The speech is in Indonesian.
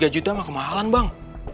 tiga juta mah kemahalan bang